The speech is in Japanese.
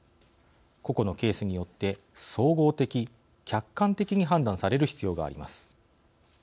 個々のケースによって総合的、客観的に判断される必要があります。